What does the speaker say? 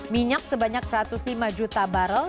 minyak sebanyak satu ratus lima juta barrel